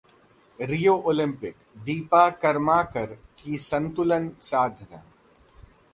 रियो Olympic: Dipa Karmakar की संतुलन साधना